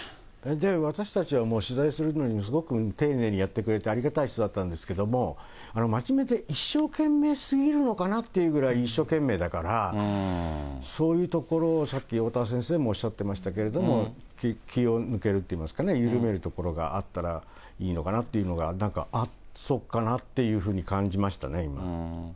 私たちはもう取材するのにもすごく丁寧にやってくれて、ありがたい人だったんですけども、真面目で一生懸命すぎるのかなというぐらい一生懸命だから、そういうところを、さっき、おおたわ先生もおっしゃってましたけれども、気を抜けるっていいますかね、緩めるところがあったら、いいのかなというのが、なんか、あっ、そうかなというふうに感じましたね、今。